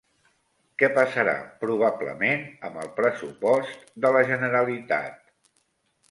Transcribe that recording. Què passarà probablement amb el pressupost de la Generalitat?